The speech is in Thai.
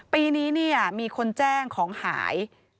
ปีนี้มีคนแจ้งของหาย